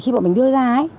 khi mà mình đưa ra ấy